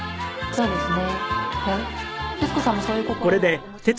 そうですね。